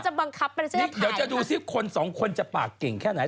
เดี๋ยวจะดูสิบคนสองคนจะปากเก่งแค่ไหน